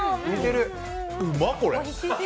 うまっ、これ。